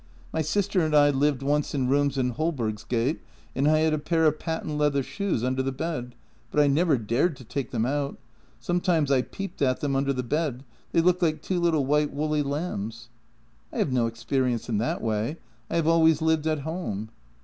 My sister and I lived once in rooms in Holbergsgate and I had a pair of patent leather shoes under the bed, but I never dared to take them out. Sometimes I peeped at them under the bed; they looked like two little white woolly lambs." " I have no experience in that way. I have always lived at home."